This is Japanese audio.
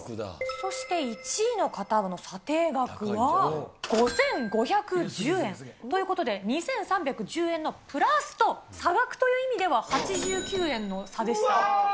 そして１位の方の査定額は、５５１０円。ということで、２３１０円のプラスと、差額という意味では８９円の差でした。